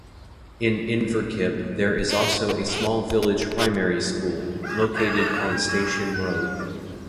In Inverkip there is also a small village primary school, located on Station Road.